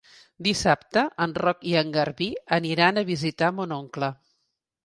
Dissabte en Roc i en Garbí aniran a visitar mon oncle.